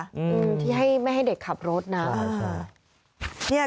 ที่คุณแนนไม่ให้เด็กขับรถนะ